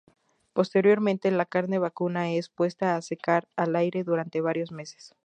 Posteriormente, la carne vacuna es puesta a secar al aire durante varios meses.